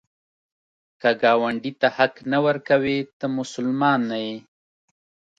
که ګاونډي ته حق نه ورکوې، ته مسلمان نه یې